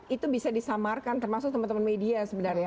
itu bisa disamarkan termasuk teman teman media sebenarnya